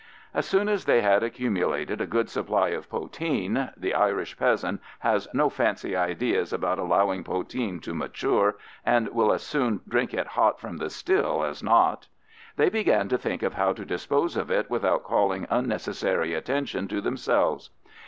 As soon as they had accumulated a good supply of poteen (the Irish peasant has no fancy ideas about allowing poteen to mature, and will as soon drink it hot from the still as not), they began to think of how to dispose of it without calling unnecessary attention to themselves.